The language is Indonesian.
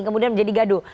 kemudian menjadi gaduh